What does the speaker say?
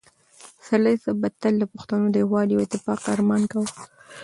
پسرلي صاحب به تل د پښتنو د یووالي او اتفاق ارمان کاوه.